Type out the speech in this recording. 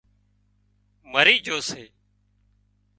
مرِي جھو سي